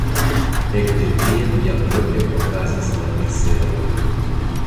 Ekde tiam jam loke okazis la diservoj.